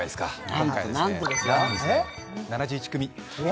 今回は７１組。